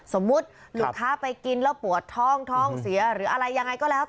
สมมุติลูกค้าไปกินแล้วปวดท้องท้องเสียหรืออะไรยังไงก็แล้ว